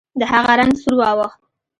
د هغه رنګ سور واوښت.